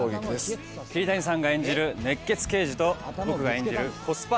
磯村：桐谷さんが演じる熱血刑事と僕が演じるコスパ